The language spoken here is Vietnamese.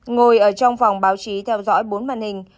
ngồi ở trong phòng báo chí theo dõi bốn màn hình